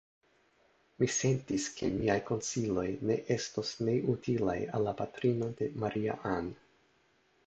Mi sentis, ke miaj konsiloj ne estos neutilaj al la patrino de Maria-Ann.